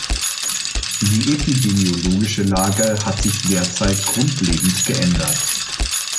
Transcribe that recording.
Die epidemiologische Lage hat sich derzeit grundlegend geändert.